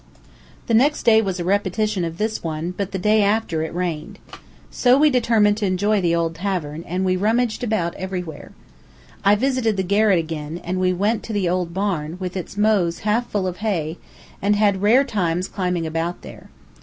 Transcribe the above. The next day was a repetition of this one, but the day after it rained. So we determined to enjoy the old tavern, and we rummaged about everywhere. I visited the garret again, and we went to the old barn, with its mows half full of hay, and had rare times climbing about there.